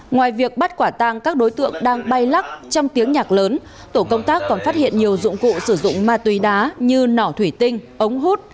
ngoài việc bắt quả tang các đối tượng đang bay lắc trong tiếng nhạc lớn tổ công tác còn phát hiện nhiều dụng cụ sử dụng ma túy đá như nỏ thủy tinh ống hút